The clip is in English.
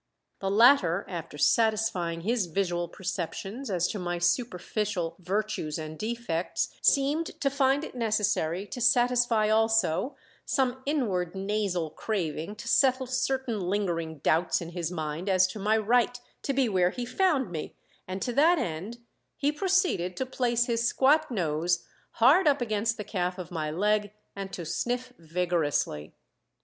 The latter, after satisfying his visual perceptions as to my superficial virtues and defects, seemed to find it necessary to satisfy also some inward nasal craving to settle certain lingering doubts in his mind as to my right to be where he found me, and to that end he proceeded to place his squat nose hard up against the calf of my leg, and to sniff vigorously.